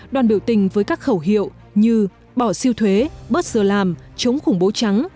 đoàn biểu tình với các khẩu hiệu như bỏ siêu thuế bớt sửa làm chống khủng bố trắng